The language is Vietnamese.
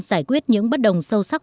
giải quyết những bất đồng sâu sắc